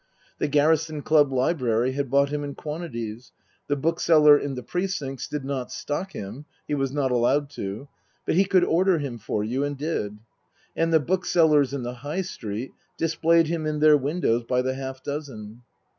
The garrison club library had bought him in quantities. The bookseller in the Precincts did not stock him (he was not allowed to) ; but he could order him for you, and did. And the booksellers in the High Street displayed him in their windows by the half dozen.